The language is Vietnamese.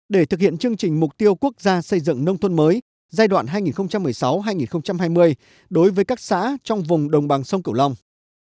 để thực hiện chương trình mục tiêu quốc gia xây dựng nông thôn mới giai đoạn hai nghìn một mươi sáu hai nghìn hai mươi đối với các xã trong vùng đồng bằng sông cửu long